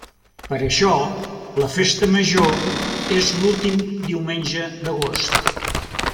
Per això la Festa Major és l'últim diumenge d'Agost.